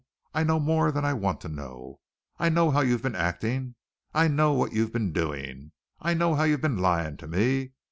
I know more than I want to know. I know how you've been acting. I know what you've been doing. I know how you've been lying to me.